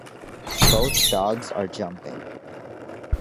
Both dogs are jumping.